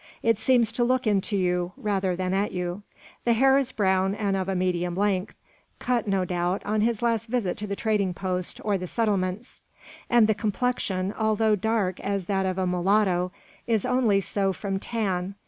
It seems to look into you rather than at you. The hair is brown and of a medium length (cut, no doubt, on his last visit to the trading post, or the settlements); and the complexion, although dark as that of a mulatto, is only so from tan.